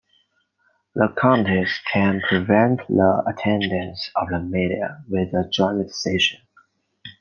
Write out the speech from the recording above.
The committees can prevent the attendance of the media with a joint decision.